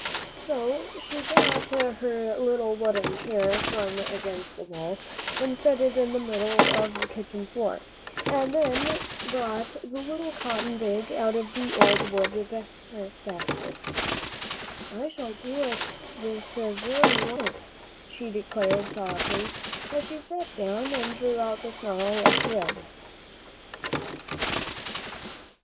So she got her little wooden chair from against the wall, and set it in the middle of the kitchen floor, and then brought the little cotton bag out of the old work basket. "I shall do it all this very one minute," she declared softly, as she sat down and drew out the snarl of thread.